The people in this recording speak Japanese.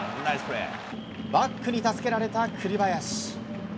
バックに助けられた栗林。